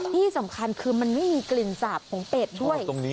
ที่สำคัญคือมันไม่มีกลิ่นสาบของเป็ดด้วย